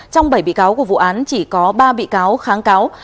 trong bảy bị cáo của vụ án chỉ có ba bị cáo kháng cáo